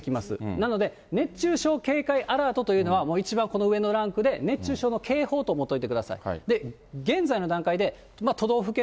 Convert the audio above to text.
なので、熱中症警戒アラートというのは、一番この上のランクで、熱中症の警報と思っといてください。